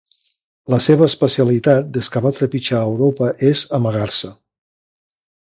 La seva especialitat des que va trepitjar Europa és amagar-se.